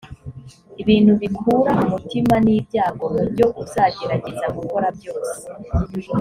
ibintu bikura umutima n’ibyago, mu byo uzagerageza gukora byose,